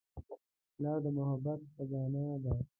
پلار د محبت خزانه ده.